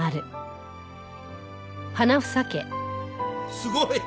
すごい！